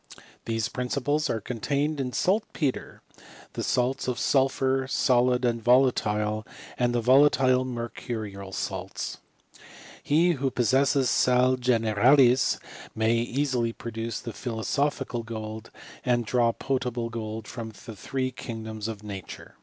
These principles are contained in saltpetre, the salts of sul phur solid and volatile, and the volatile mercurial salt. He who possesses sal generalis may easily produce philosophical gold, and draw potable gold from the three kingdoms of nature.